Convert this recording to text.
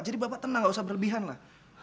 jadi bapak tenang gak usah berlebihan lah